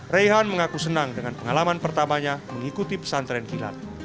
reyhan mengaku senang dengan pengalaman pertamanya mengikuti pesan tren kilat